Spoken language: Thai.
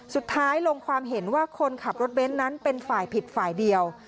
สุดท้ายลงความเห็นว่าคนขับรถเบนท์นั้นเป็นฝ่ายผิดฝ่ายเดียว